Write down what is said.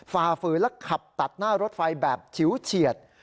ฝ่าฝืนและขับตัดหน้ารถไฟแบบฉิวเฉียด